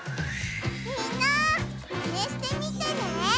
みんなマネしてみてね！